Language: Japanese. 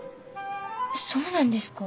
そうなんですか？